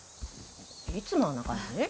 いつもあんな感じ？